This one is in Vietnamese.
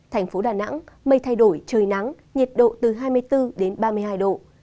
thành phố đà nẵng mây thay đổi trời nắng nhiệt độ từ hai mươi bốn đến ba mươi hai độ